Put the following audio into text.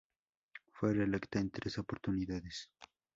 Fue reelecta en tres oportunidades.